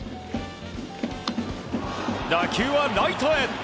打球はライトへ。